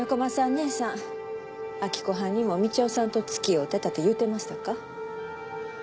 姉さん明子はんにも道夫さんと付き合うてたと言うてましたか？